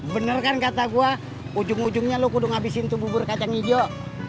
bener kan kata gua ujung ujungnya lu kudung abisin tubuh buru kacang hijau